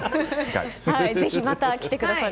ぜひまた来てください。